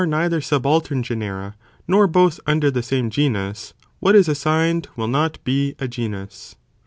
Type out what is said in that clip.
423 neither subaltern genera, nor both under the same genus, what is assigned will not be a genus.